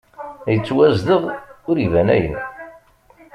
Yettwazdeɣ ur iban ayen!